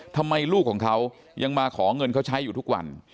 ทำไมลูกของเขายังมาขอเงินเขาใช้อยู่ทุกวัน